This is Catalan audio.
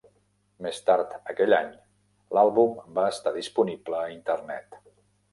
Més tard aquell any, l'àlbum va estar disponible a Internet.